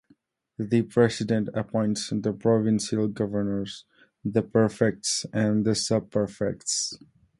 The president appoints the provincial governors, the prefects, and the subprefects.